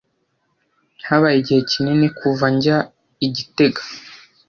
Habaye igihe kinini kuva njya i gitega.